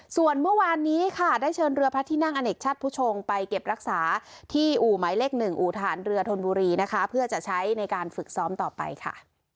ส่วนเมื่อวานนี้ค่ะได้เชิญเรือพระที่นั่งอเนกชัดผู้ชงไปเก็บรักษาที่อู่หมายเลข๑อู่ฐานเรือธนบุรีนะคะเพื่อจะใช้ในการฝึกซ้อมต่อไปค่ะ